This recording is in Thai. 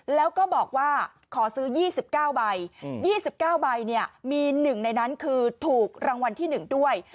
แล้วก็บอกว่าขอซื้อยี่สิบเก้าใบอืมยี่สิบเก้าใบเนี้ยมีหนึ่งในนั้นคือถูกรางวัลที่หนึ่งด้วย